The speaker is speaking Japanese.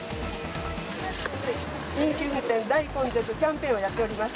飲酒運転大根絶キャンペーンをやっております。